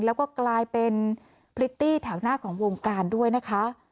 และเป็นพริตตี้ถามหน้าของวงการด้วยนะคะ